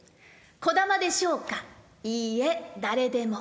こだまでしょうか、いいえ、誰でも」。